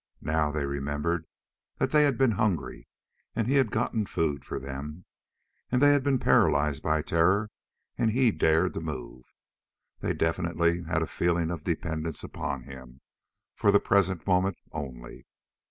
Now they remembered that they had been hungry and he had gotten food for them, and they had been paralyzed by terror, and he dared to move. They definitely had a feeling of dependence upon him, for the present moment only.